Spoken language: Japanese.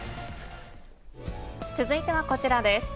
続いてはこちらです。